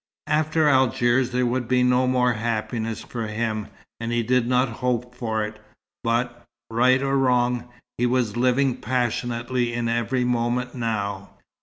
After Algiers there would be no more happiness for him, and he did not hope for it; but, right or wrong, he was living passionately in every moment now.